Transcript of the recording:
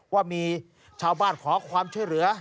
ว่ามีชาวบ้านขอความช่วยเหลือ